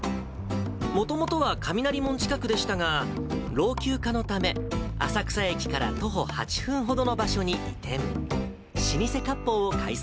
もともとは雷門近くでしたが、老朽化のため、浅草駅から徒歩８分ほどの場所に移転。